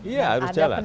iya harus jalan